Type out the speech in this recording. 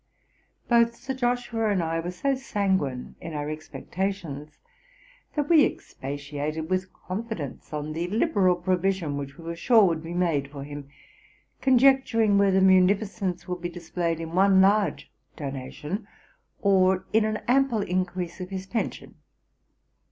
Both Sir Joshua and I were so sanguine in our expectations, that we expatiated with confidence on the liberal provision which we were sure would be made for him, conjecturing whether munificence would be displayed in one large donation, or in an ample increase of his pension.